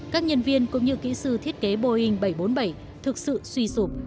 các nhân viên cũng như kỹ sư thiết kế boeing bảy trăm bốn mươi bảy thực sự suy sụp